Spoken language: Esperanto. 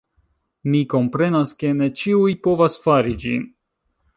Mi komprenas, ke ne ĉiuj povas fari ĝin